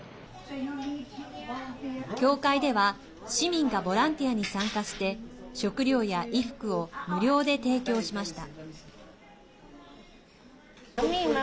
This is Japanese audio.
教会では市民がボランティアに参加して食料や衣服を無料で提供しました。